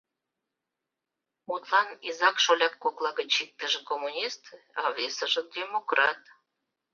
Мутлан, изак-шоляк кокла гыч иктыже — коммунист, а весыже — демократ.